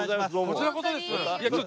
こちらこそです。